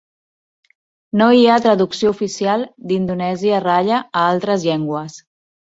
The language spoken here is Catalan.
No hi ha traducció oficial d'"Indonesia Raya" a altres llengües